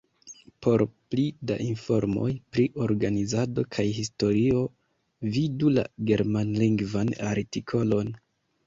Por pli da informoj pri organizado kaj historio vidu la germanlingvan artikolon.